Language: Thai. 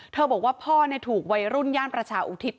บอกว่าพ่อถูกวัยรุ่นย่านประชาอุทิศ